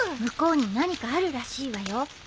向こうに何かあるらしいわよ。